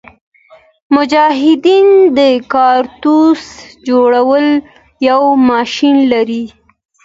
مجاهدین د کارتوس جوړولو یو ماشین لري.